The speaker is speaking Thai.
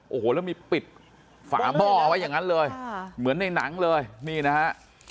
โอ้โหแล้วมีปิดฝาหม้อเอาไว้อย่างนั้นเลยเหมือนในหนังเลยนี่นะฮะ